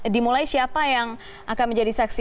dimulai siapa yang akan menjadi saksi